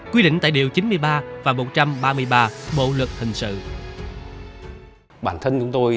quy định tại điều chín mươi ba và một trăm ba mươi ba bộ luật hình sự